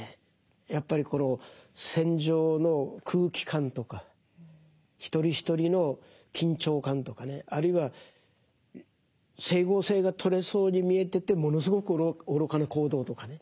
やっぱりこの戦場の空気感とか一人一人の緊張感とかねあるいは整合性が取れそうに見えててものすごく愚かな行動とかね。